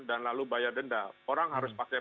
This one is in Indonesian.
dan lalu bayar denda orang harus pakai